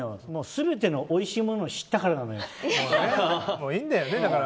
全てのおいしいものを知ったからなのよ。